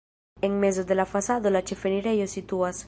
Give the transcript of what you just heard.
En mezo de la fasado la ĉefenirejo situas.